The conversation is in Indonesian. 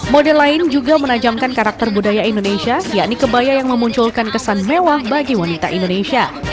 model lain juga menajamkan karakter budaya indonesia yakni kebaya yang memunculkan kesan mewah bagi wanita indonesia